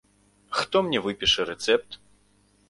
Хто мне выпіша рэцэпт?